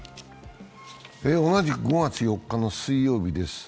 同じく５月４日の水曜日です。